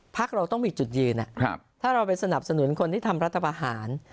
เราต้องมีจุดยืนถ้าเราไปสนับสนุนคนที่ทำรัฐประหาร